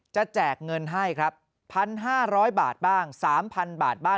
แจกเงินให้ครับ๑๕๐๐บาทบ้าง๓๐๐บาทบ้าง